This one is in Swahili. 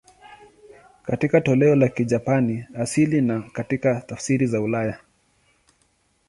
Katika toleo la Kijapani asili na katika tafsiri za ulaya.